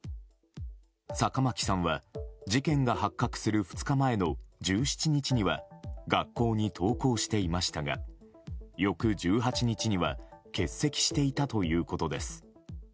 坂巻さんは、事件が発覚する２日前の１７日には学校に登校していましたが翌１８日には欠席していたということです。